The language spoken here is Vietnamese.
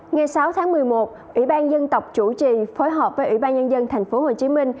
ngày sáu tháng một mươi một ủy ban dân tộc chủ trì phối hợp với ủy ban nhân dân tp hcm